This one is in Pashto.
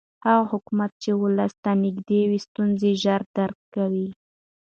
هغه حکومت چې ولس ته نږدې وي ستونزې ژر درک کوي